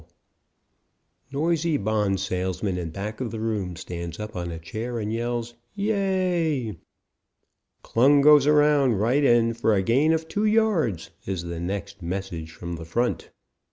[Illustration: "Noisy bond salesman in back of room stands up on chair and yells 'Yea!'"] "Klung goes around right end for a gain of two yards," is the next message from the front.